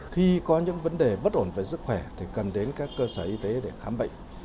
khi có những vấn đề bất ổn về sức khỏe thì cần đến các cơ sở y tế để khám bệnh